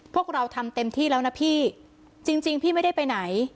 พวกเราทำเต็มที่แล้วนะพี่จริงพี่ไม่ได้ไปไหน